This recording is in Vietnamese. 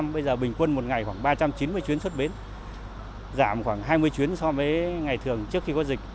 bây giờ bình quân một ngày khoảng ba trăm chín mươi chuyến xuất bến giảm khoảng hai mươi chuyến so với ngày thường trước khi có dịch